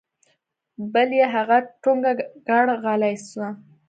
بل يې هغه ټونګه کړ غلى سه.